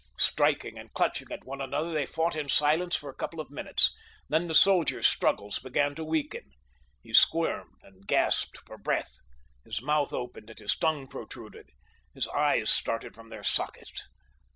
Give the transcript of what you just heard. Striking and clutching at one another they fought in silence for a couple of minutes, then the soldier's struggles began to weaken. He squirmed and gasped for breath. His mouth opened and his tongue protruded. His eyes started from their sockets.